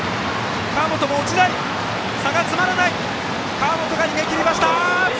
川元が逃げ切りました！